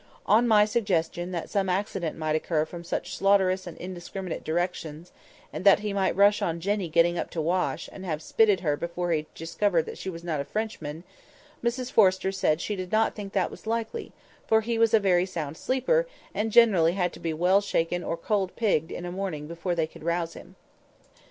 On my suggesting that some accident might occur from such slaughterous and indiscriminate directions, and that he might rush on Jenny getting up to wash, and have spitted her before he had discovered that she was not a Frenchman, Mrs Forrester said she did not think that that was likely, for he was a very sound sleeper, and generally had to be well shaken or cold pigged in a morning before they could rouse him.